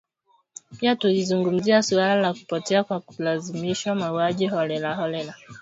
Pia tulizungumzia suala la kupotea kwa kulazimishwa, mauaji holela, suala la kile kinachojulikana kama nyumba salama